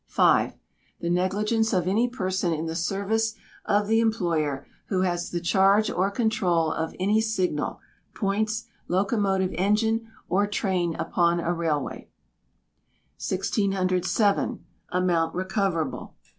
v. The negligence of any person in the service of the employer who has the charge or control of any signal, points, locomotive engine, or train upon a railway. 1607. Amount Recoverable.